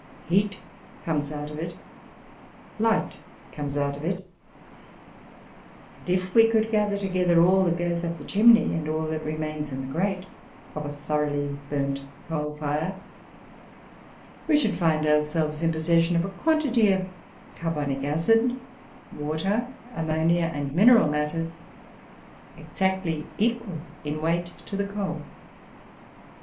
Heat comes out of it, light comes out of it; and if we could gather together all that goes up the chimney, and all that remains in the grate of a thoroughly burnt coal fire, we should find ourselves in possession of a quantity of carbonic acid, water, ammonia, and mineral matters, exactly equal in weight to the coal.